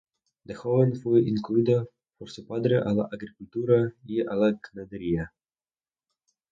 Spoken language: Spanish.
De joven fue inducido por su padre a la agricultura y a la ganadería.